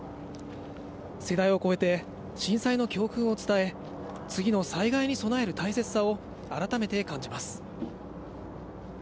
世代を超えて、震災の教訓を伝え、次の災害に備える大切さを改めて感じます。